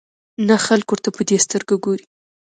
نه خلک ورته په دې سترګه ګوري.